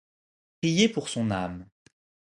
Prié pour son âme.